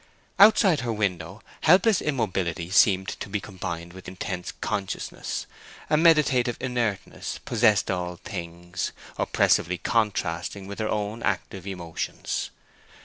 Outside her window helpless immobility seemed to be combined with intense consciousness; a meditative inertness possessed all things, oppressively contrasting with her own active emotions.